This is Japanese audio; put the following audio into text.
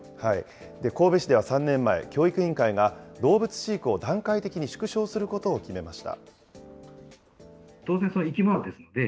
神戸市では３年前、教育委員会が、動物飼育を段階的に縮小することを決めました。